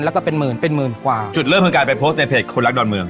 แล้วก็เป็นหมื่นเป็นหมื่นกว่าจุดเริ่มคือการไปโพสต์ในเพจคนรักดอนเมือง